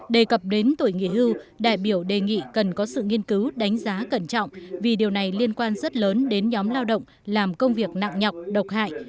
đề cập đến tuổi nghỉ hưu đại biểu đề nghị cần có sự nghiên cứu đánh giá cẩn trọng vì điều này liên quan rất lớn đến nhóm lao động làm công việc nặng nhọc độc hại